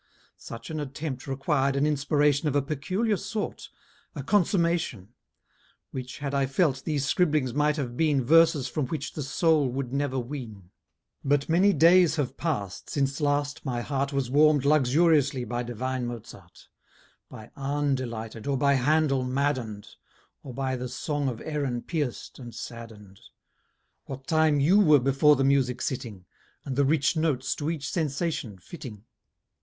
Such an attempt required an inspiration Of a peculiar sort, a consummation; Which, had I felt, these scribblings might have been Verses from which the soul would never wean: But many days have past since last my heart Was warm'd luxuriously by divine Mozart; By Arne delighted, or by Handel madden'd; Or by the song of Erin pierc'd and sadden'd: What time you were before the music sitting, And the rich notes to each sensation fitting.